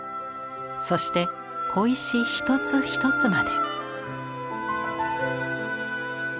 そして小石一つ一つまで。